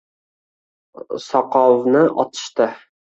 Soqovni otishdi